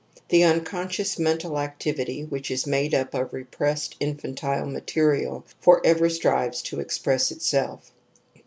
The uncon \ ;cious mental activity which is made up of •epressed infantile material for ever tries to ; eVxpress itself.